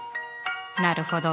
なるほど。